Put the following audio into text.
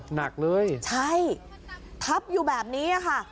หนักเลยใช่ทับอยู่แบบนี้ค่ะ